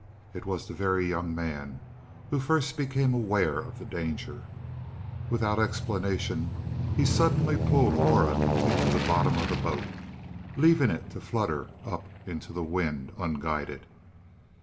It was the Very Young Man who first became aware of the danger. Without explanation he suddenly pulled Aura into the bottom of the boat, leaving it to flutter up into the wind unguided.